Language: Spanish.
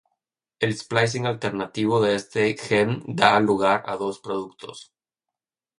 El splicing alternativo de este gen da lugar a dos productos.